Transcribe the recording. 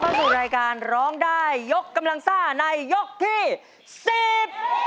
สู่รายการร้องได้ยกกำลังซ่าในยกที่สิบ